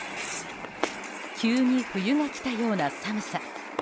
急に冬が来たような寒さ。